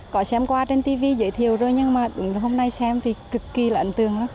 có xem qua trên tv giới thiệu rồi nhưng mà hôm nay xem thì cực kỳ là ấn tượng lắm